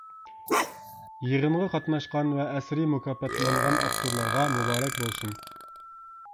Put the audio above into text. يىغىنغا قاتناشقان ۋە ئەسىرى مۇكاپاتلانغان ئاپتورلارغا مۇبارەك بولسۇن!